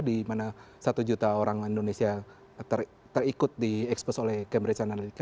dimana satu juta orang indonesia terikut di ekspos oleh cambridge analytica